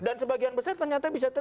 dan sebagian besar ternyata bisa terima